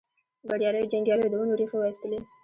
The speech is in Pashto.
بریالیو جنګیالیو د ونو ریښې وایستلې.